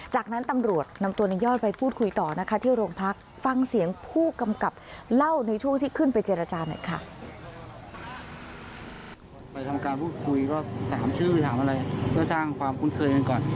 จากนั้นตำรวจนำตัวในยอดไปพูดคุยต่อนะคะที่โรงพักฟังเสียงผู้กำกับเล่าในช่วงที่ขึ้นไปเจรจาหน่อยค่ะ